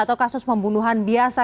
atau kasus pembunuhan biasa